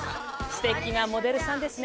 すてきなモデルさんですね！